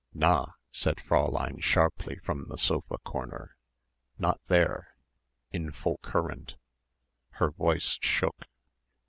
"Na!" said Fräulein sharply from the sofa corner. "Not there! In full current!" Her voice shook.